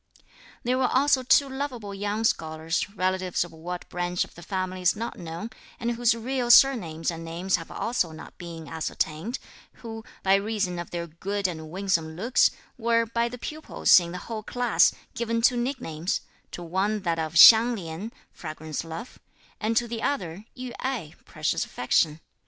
There were also two lovable young scholars, relatives of what branch of the family is not known, and whose real surnames and names have also not been ascertained, who, by reason of their good and winsome looks, were, by the pupils in the whole class, given two nicknames, to one that of "Hsiang Lin," "Fragrant Love," and to the other "Yü Ai," "Precious Affection."